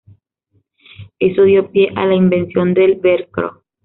Eso dio pie a la invención del Velcro